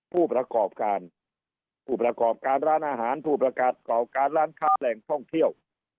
ผู้ประกอบการผู้ประกอบการร้านอาหารผู้ประกาศเก่าการร้านค้าแหล่งท่องเที่ยว